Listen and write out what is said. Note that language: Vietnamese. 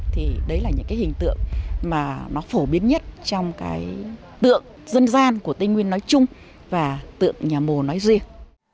thì đấy là những cái hình tượng mà nó phổ biến nhất trong cái tượng dân gian của tây nguyên nói chung và tượng nhà mồ nói riêng